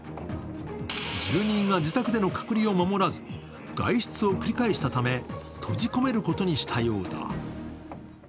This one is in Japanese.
住人が自宅での隔離を守らず、外出を繰り返したため、閉じ込めることにしたようだ。